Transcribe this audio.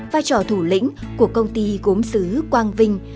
vai trò thủ lĩnh của công ty gốm xứ quang vinh